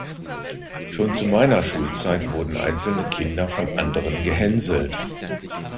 Schon zu meiner Schulzeit wurden einzelne Kinder von anderen gehänselt.